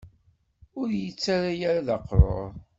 Ur yi-ttarra ara d aqrur.